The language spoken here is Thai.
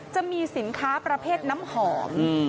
จะมีสินค้าประเภทน้ำหอม